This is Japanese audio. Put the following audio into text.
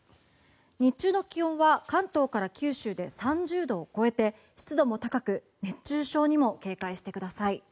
日中の気温は関東から九州で３０度を超えて湿度も高く熱中症にも警戒してください。